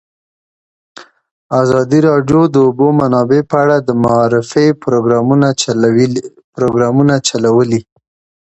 ازادي راډیو د د اوبو منابع په اړه د معارفې پروګرامونه چلولي.